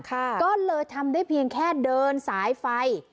ก็เลยทำได้เพียงแค่เดินสายไฟ